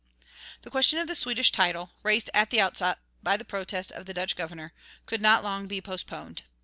The question of the Swedish title, raised at the outset by the protest of the Dutch governor, could not long be postponed.